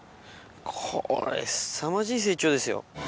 これすさまじい成長ですよ。